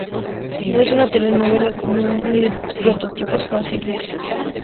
No es una telenovela común, ni de prototipos fáciles.